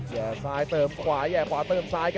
แย่ซ้ายเติมขวาแย่ขวาเติมซ้ายครับ